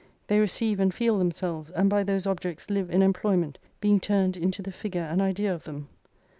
They receive and feel themselves, and by those objects live in employment, being turned into the figure and idea of them.